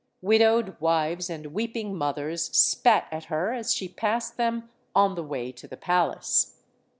Widowed wives and weeping mothers spat at her as she passed them on the way to the palace.